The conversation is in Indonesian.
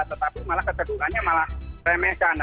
tetapi malah keseduhannya malah remehkan